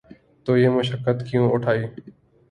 تو یہ مشقت کیوں اٹھائی؟